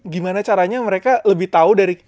gimana caranya mereka lebih tahu dari